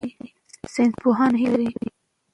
ساینسپوهان هیله لري.